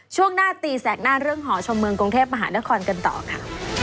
ช่วงหน้าตีแสกหน้าเรื่องหอชมเมืองกรุงเทพมหานครกันต่อค่ะ